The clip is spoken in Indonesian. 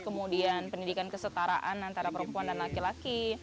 kemudian pendidikan kesetaraan antara perempuan dan laki laki